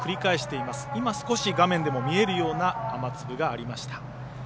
いま少し画面でも見えるような雨粒がありました。